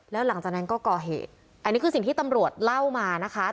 แล้วหลังจากนั้นก็ก่อเหตุอันนี้คือสิ่งที่ตำรวจเล่ามานะคะ